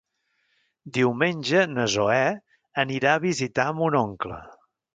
Diumenge na Zoè anirà a visitar mon oncle.